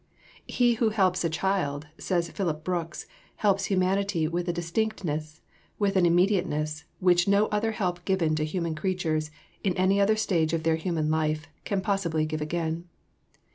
"He who helps a child," says Phillips Brooks, "helps humanity with a distinctness, with an immediateness, which no other help given to human creatures in any other stage of their human life, can possibly give again."